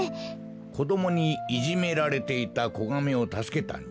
こどもにいじめられていたこガメをたすけたんじゃ。